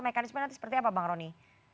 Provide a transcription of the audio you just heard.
mekanisme nanti seperti apa bang roni